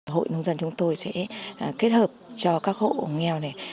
hội nông dân chúng tôi sẽ kết hợp cho các hộ nghèo này